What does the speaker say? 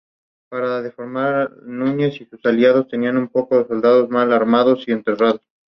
A continuación se detallan las obras del manuscrito.